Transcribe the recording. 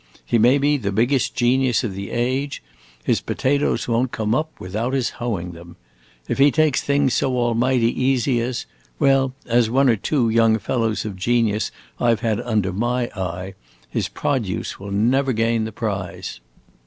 He may be the biggest genius of the age: his potatoes won't come up without his hoeing them. If he takes things so almighty easy as well, as one or two young fellows of genius I 've had under my eye his produce will never gain the prize.